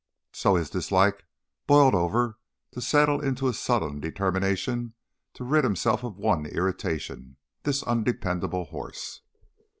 So his dislike boiled over, to settle into a sullen determination to rid himself of one irritation this undependable horse.